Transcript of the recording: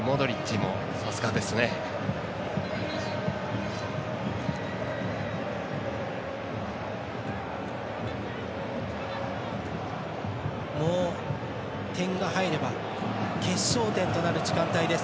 もう点が入れば決勝点となる時間帯です。